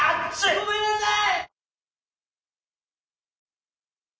ごめんなさい！